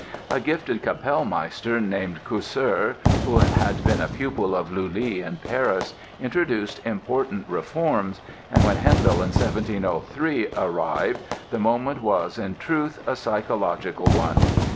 A gifted Kapellmeister named Cousser, who had been a pupil of Lully in Paris, introduced important reforms and when Handel in 1703 arrived the moment was, in truth, a psychological one.